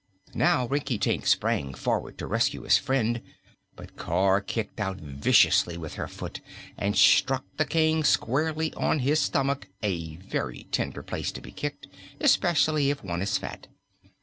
Now Rinkitink sprang forward to rescue his friend, but Cor kicked out viciously with her foot and struck the King squarely on his stomach a very tender place to be kicked, especially if one is fat.